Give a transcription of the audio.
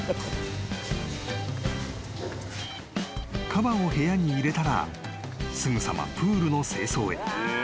［カバを部屋に入れたらすぐさまプールの清掃へ］